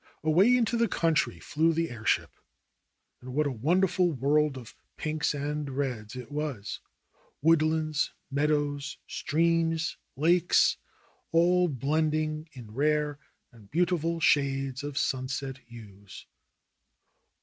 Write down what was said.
Away into the country flew the airship. And what a wonderful world of pinks and reds it was! Woodlands, meadows, streams, lakes, all blending in rare and beauti ful shades of sunset hues.